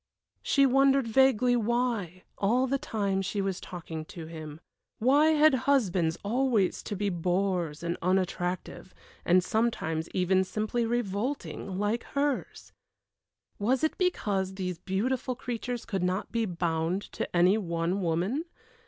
She wondered vaguely why, all the time she was talking to him. Why had husbands always to be bores and unattractive, and sometimes even simply revolting, like hers? Was it because these beautiful creatures could not be bound to any one woman?